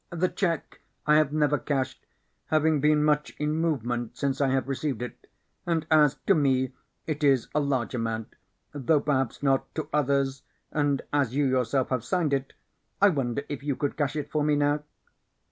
"The check I have never cashed, having been much in movement since I have received it. And as to me it is a large amount, though perhaps not to others, and as you yourself have signed it, I wonder if you could cash it for me now."